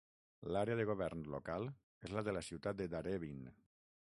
L'àrea de govern local és la de la ciutat de Darebin.